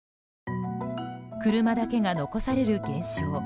車だけが残される現象